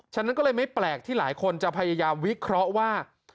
ฉะนั้นก็เลยไม่แปลกที่หลายคนจะพยายามวิเคราะห์ว่า